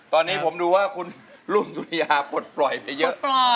ตอนนี้ผมดูว่าคุณรุ่งสุริยาปลดปล่อยไปเยอะ